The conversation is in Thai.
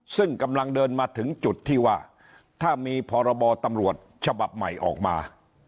ซึ่งกำลังเดินมาถึงจุดที่ว่าถ้ามีพรบตำรวจฉบับใหม่ออกมา